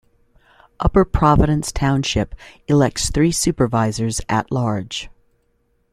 Upper Providence Township elects three supervisors at-large.